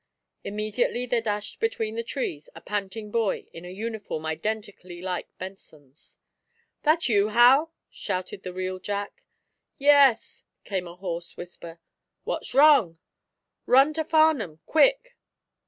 Immediately there dashed between the trees a panting boy in a uniform identically like Benson's. "That you, Hal?" shouted the real Jack. "Yes," came a hoarse answer. "What's wrong?" "Run to Farnum quick!"